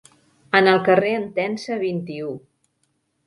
En el Carrer Entença vint-i-u.